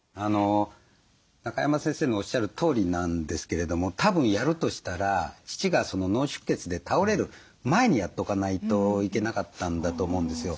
中山先生のおっしゃるとおりなんですけれどもたぶんやるとしたら父が脳出血で倒れる前にやっとかないといけなかったんだと思うんですよ。